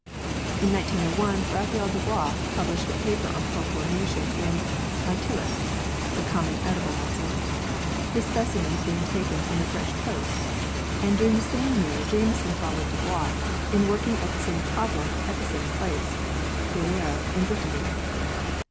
In 1901, Raphael Dubois published a paper on pearl formation in Mytilus (the common edible mussel), his specimens being taken from the French coast, and during the same year Jameson followed Dubois in working at the same problem at the same place Billiers in Brittany.